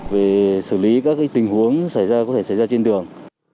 về xử lý các tình huống có thể xảy ra trên đường